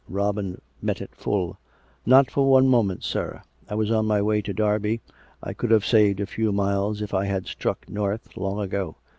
Robin met it full. " Not for one moment, sir. I was on my way to Derby. I could have saved a few miles if I had struck north long ago.